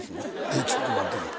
いやちょっと待ってや。